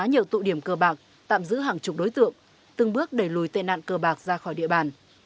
nhiều tụ điểm cơ bạc tạm giữ hàng chục đối tượng từng bước đẩy lùi tệ nạn cơ bạc ra khỏi địa bàn